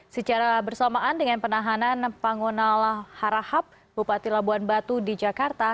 secara bersamaan dengan penahanan pangonal harahap bupati labuan batu di jakarta